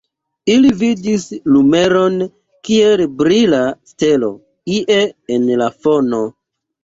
Ili vidis lumeron, kiel brila stelo, ie en la fono.